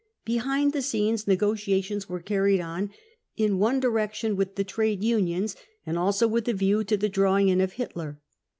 Behind the scenes negotia tions were carried on, in one direction with the trade unions and also with a view to the drawing in of .Hitler.